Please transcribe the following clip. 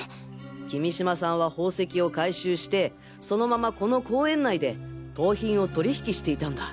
君島さんは宝石を回収してそのままこの公園内で盗品を取引していたんだ。